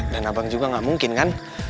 dan abang juga gak mungkin kan